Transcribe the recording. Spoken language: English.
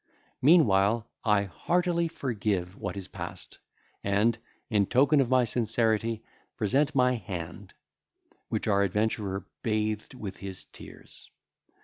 Meanwhile, I heartily forgive what is past; and, in token of my sincerity, present my hand;" which our adventurer bathed with his tears.